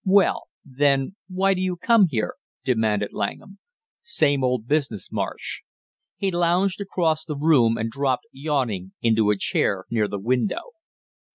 "Well, then, why do you come here?" demanded Langham. "Same old business, Marsh." He lounged across the room and dropped, yawning, into a chair near the window.